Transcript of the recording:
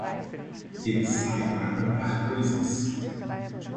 Ele sai para comprar coisas